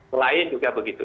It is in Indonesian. selain juga begitu